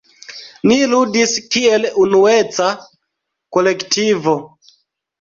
Ni ludis kiel unueca kolektivo.